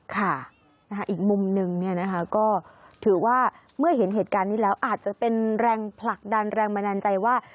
ค่ะอีกมุมหนึ่งก็ถือว่าเมื่อเห็นเหตุการณ์นี้แล้วอาจจะเป็นแรงผลักดันแรงบันดาลใจว่า